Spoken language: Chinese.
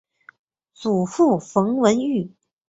祖父冯文玉。